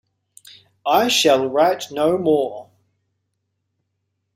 I shall write no more!